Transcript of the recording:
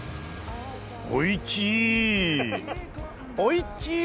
おいちい。